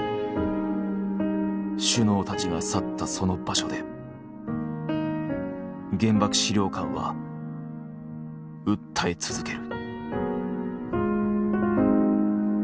首脳たちが去ったその場所で原爆資料館は訴え続ける。